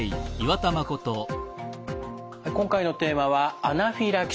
今回のテーマは「アナフィラキシー」。